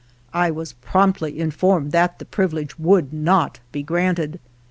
I was promptly informed that the privilege would not be granted.